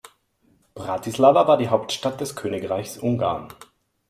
Bratislava war die Hauptstadt des Königreichs Ungarn.